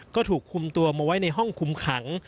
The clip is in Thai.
ก็ถูกคุมตัวมาไว้ในห้องคุมขัง